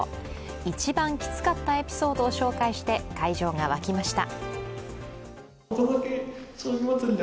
一番キツかったエピソードを紹介して会場が沸きました。